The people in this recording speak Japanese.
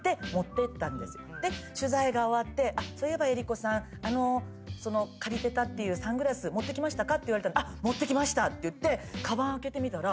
取材が終わって「そういえば江里子さん借りてたっていうサングラス持ってきましたか？」って言われたんで持ってきましたって言ってかばん開けてみたら。